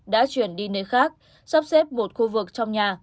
đã chuyển đi nơi khác sắp xếp một khu vực trong nhà